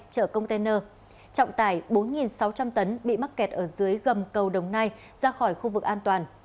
chở container trọng tải bốn sáu trăm linh tấn bị mắc kẹt ở dưới gầm cầu đồng nai ra khỏi khu vực an toàn